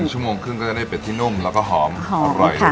ชั่วโมงครึ่งก็จะได้เป็ดที่นุ่มแล้วก็หอมอร่อย